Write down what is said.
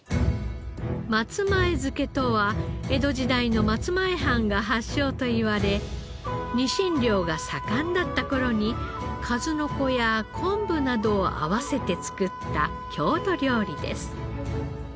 松前漬けとは江戸時代の松前藩が発祥といわれニシン漁が盛んだった頃に数の子や昆布などを合わせて作った郷土料理です。